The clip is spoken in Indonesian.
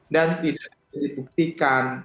dan tidak dibuktikan